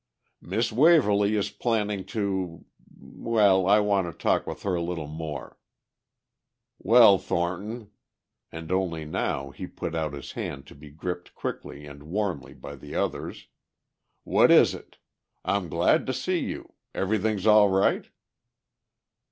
"Miss Waverly is planning to.... Well, I want to talk with her a little more. Well, Thornton," and only now he put out his hand to be gripped quickly and warmly by the other's, "what is it? I'm glad to see you. Everything's all right?"